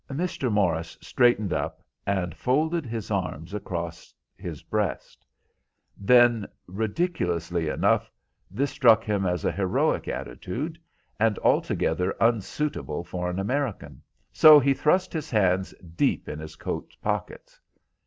Mr. Morris straightened up, and folded his arms across his breast; then, ridiculously enough, this struck him as a heroic attitude, and altogether unsuitable for an American, so he thrust his hands deep in his coat pockets.